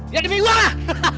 dia demi uang lah